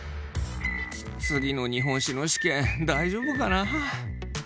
次の日本史の試験大丈夫かな？